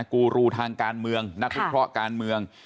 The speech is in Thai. กูรูทางการเมืองนักวิเคราะห์การเมือง